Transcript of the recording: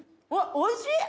おいしい！